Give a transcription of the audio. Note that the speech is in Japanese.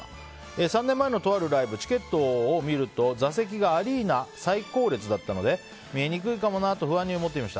３年前のとあるライブチケットを見ると座席がアリーナ最後列だったので見にくいかもなと不安に思っていました。